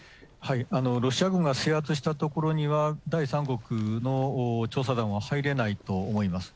ロシア軍が制圧した所には、第三国の調査団は入れないと思います。